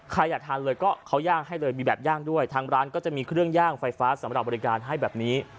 ใครอยากทานเลยก็เขาย่างให้เลยมีแบบย่างด้วยทางร้านก็จะมีเครื่องย่างไฟฟ้าสำหรับบริการให้แบบนี้